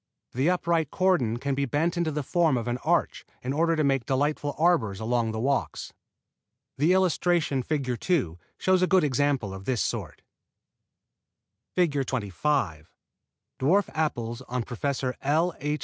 The upright cordon can be bent into the form of an arch in order to make delightful arbors along the walks. The illustration, Fig. 2, shows a good example of this sort. [Illustration: FIG. 25 DWARF APPLES ON PROF. L. H.